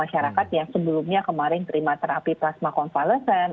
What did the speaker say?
sebelumnya kemarin terima terapi plasma konvalesen